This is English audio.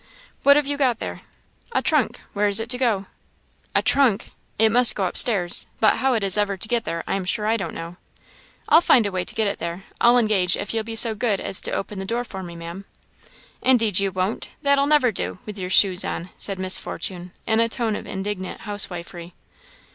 "What have you got there?" "A trunk. Where is it to go?" "A trunk! It must go up stairs; but how it is ever to get there, I am sure I don't know." "I'll find a way to get it there, I'll engage, if you'll be so good as to open the door for me, Maam." "Indeed you won't! That'll never do! With your shoes!" said Miss Fortune, in a tone of indignant housewifery.